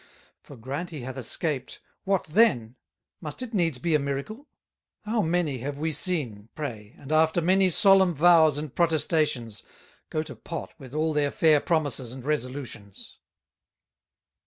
For grant he hath escaped, what then? must it needs be a Miracle? How many have we seen, pray, and after many solemn Vows and Protestations, go to pot with all their fair Promises and Resolutions."